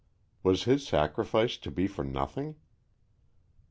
Was his sacrifice to be for nothing?